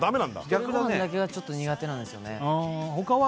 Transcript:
１人ごはんだけがちょっと苦手なんですよね